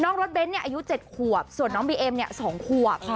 รถเบ้นอายุ๗ขวบส่วนน้องบีเอ็ม๒ขวบ